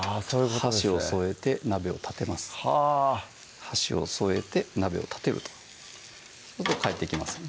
箸を添えて鍋を立てますはぁ箸を添えて鍋を立てるとすると返ってきますね